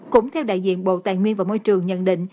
cũng theo đại diện bộ tài nguyên và môi trường nhận định